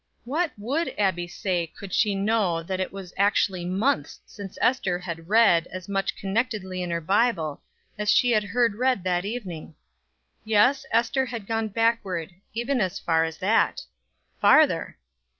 What would Abbie say could she know that it was actually months since Ester had read as much connectedly in her Bible as she had heard read that evening? Yes, Ester had gone backward, even as far as that! Farther!